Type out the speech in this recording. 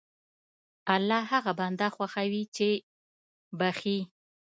الله هغه بنده خوښوي چې بخښي.